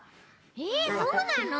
えっそうなの！？